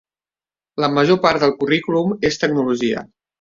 La major part del currículum és tecnologia.